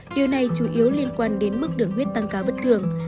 điều này chủ yếu liên quan đến mức đường huyết tăng cao bất thường